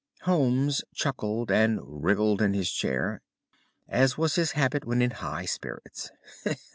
Holmes chuckled and wriggled in his chair, as was his habit when in high spirits.